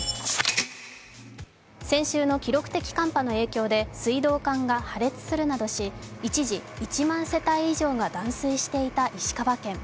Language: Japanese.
先週の記録的寒波の影響で水道管が破裂するなどし、一時、１万世帯以上が断水していた石川県。